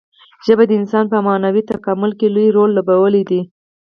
ژبې د انسان په معنوي تکامل کې لوی رول لوبولی دی.